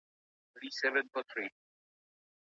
د ښه ژوند لپاره سالمو مشورو ته ضرورت دی.